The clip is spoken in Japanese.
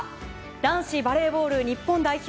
男子バレーボール日本代表